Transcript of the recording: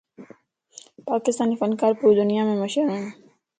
پاڪستاني فنڪارَ پوري دنيامَ مشھور ائين.